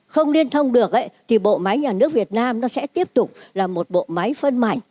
không liên thông được thì bộ máy nhà nước việt nam nó sẽ tiếp tục là một bộ máy phân mảnh